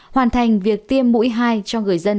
hoàn thành việc tiêm mũi hai cho người dân